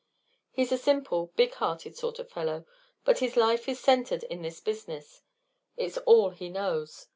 He's a simple, big hearted sort of fellow, but his life is centred in this business; it's all he knows.